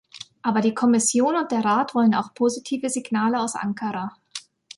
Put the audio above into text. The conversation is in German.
Aber die Kommission und der Rat wollen auch positive Signale aus Ankara.